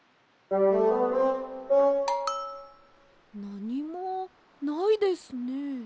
なにもないですね。